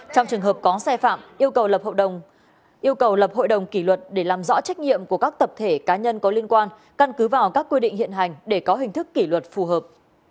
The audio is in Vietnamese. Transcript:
trong trường hợp có xe phạm yêu cầu lập hội đồng kỷ luật để làm rõ trách nhiệm của các tập thể cá nhân có liên quan căn cứ vào các quy định hiện hành để có hình thức kỷ luật phù hợp